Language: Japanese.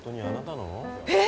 えっ！？